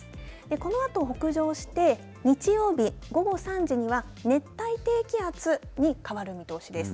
このあと北上して日曜日午後３時には熱帯低気圧に変わる見通しです。